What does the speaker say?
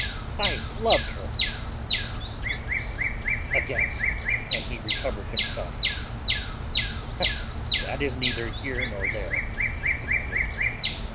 I loved her—" A gasp and he recovered himself. "That is neither here nor there," he muttered.